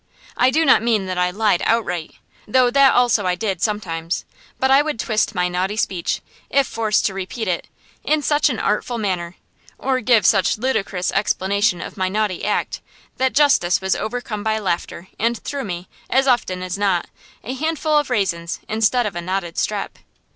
I do not mean that I lied outright, though that also I did, sometimes; but I would twist my naughty speech, if forced to repeat it, in such an artful manner, or give such ludicrous explanation of my naughty act, that justice was overcome by laughter and threw me, as often as not, a handful of raisins instead of a knotted strap.